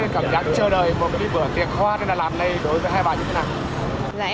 cảm giác chờ đợi một bữa tiệc hoa này là làm đây đối với hai bạn như thế nào